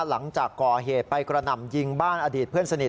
หลังจากก่อเหตุไปกระหน่ำยิงบ้านอดีตเพื่อนสนิท